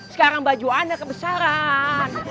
sekarang baju anak kebesaran